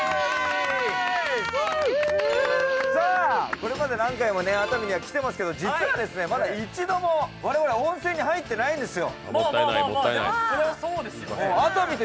これまで何回も熱海には来ていますけど実は、まだ一度も我々、温泉に入ってないんですよ。